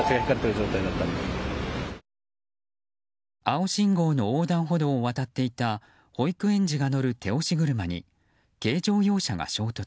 青信号の横断歩道を渡っていた保育園児が乗る手押し車に軽乗用車が衝突。